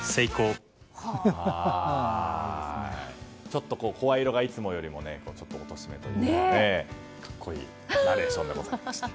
ちょっと声色がいつもよりもおとなしめというか格好いいナレーションでございました。